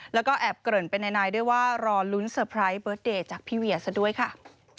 แล้วก็แอบเกริ่นไปนายด้วยว่ารอลุ้นเซอร์ไพรส์เบิร์ตเดย์จากพี่เวียซะด้วยค่ะ